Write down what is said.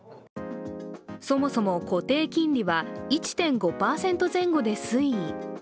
そもそも固定金利は１．５％前後で推移。